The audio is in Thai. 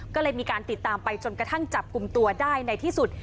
ก็เลยมีการติดตามไปจนกระทั่งจับกลุ่มตัวได้ในที่สุด